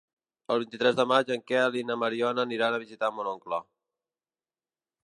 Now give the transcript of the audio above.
El vint-i-tres de maig en Quel i na Mariona aniran a visitar mon oncle.